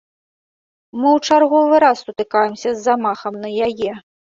Мы ў чарговы раз сутыкаемся з замахам на яе.